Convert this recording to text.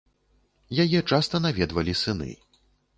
Яе часта наведвалі сыны.